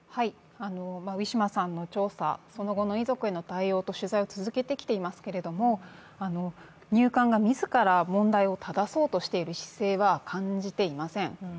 ウィシュマさんの調査、その後の遺族への対応、取材を続けてきていますが、入管が自ら問題をただそうとしている姿勢は感じていません。